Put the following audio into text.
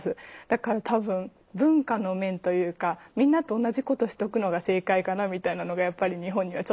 だから多分文化の面というかみんなと同じことしとくのが正解かなみたいなのがやっぱり日本にはちょっとあるので。